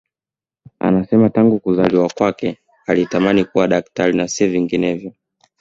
Anasema tangu kuzaliwa kwake alitamani kuwa daktari na sio vinginevyo